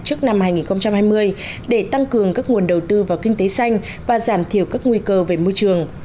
trước năm hai nghìn hai mươi để tăng cường các nguồn đầu tư vào kinh tế xanh và giảm thiểu các nguy cơ về môi trường